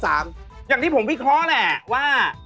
อย่างที่ผมวิเคราะห์แหละว่า